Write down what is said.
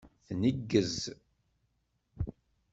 Tneggez.